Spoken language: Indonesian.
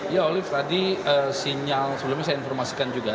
ya olive tadi sinyal sebelumnya saya informasikan juga